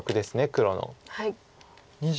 黒の。